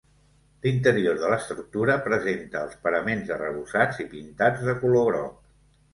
L'interior de l'estructura presenta els paraments arrebossats i pintats de color groc.